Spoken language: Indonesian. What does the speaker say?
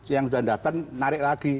yang sudah datang narik lagi